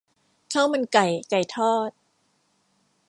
ข้าวมันไก่ ไก่ทอด